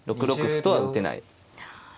６六歩とは打てない。